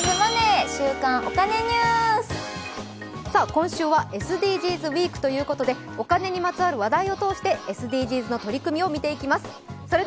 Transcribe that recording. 今週はＳＤＧｓウィークということでお金にまつわる話題を通してＳＤＧｓの取り組みを見ていきます。